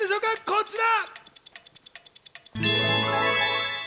こちら。